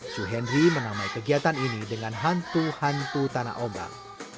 suhendri menamai kegiatan ini dengan hantu hantu tanah ombak